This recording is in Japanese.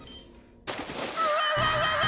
うわうわうわうわ！